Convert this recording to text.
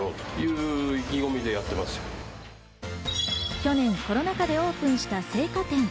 去年コロナ禍でオープンした青果店。